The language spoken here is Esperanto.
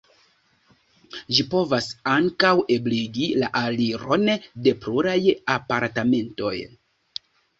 Ĝi povas ankaŭ ebligi la aliron de pluraj apartamentoj.